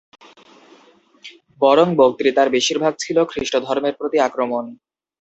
বরং বক্তৃতার বেশীর ভাগ ছিল খ্রীষ্টধর্মের প্রতি আক্রমণ।